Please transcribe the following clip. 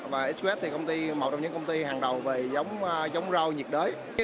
và xqs thì một trong những công ty hàng đầu về giống rau nhiệt đới